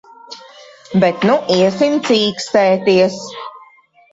Bet nu iesim cīkstēties.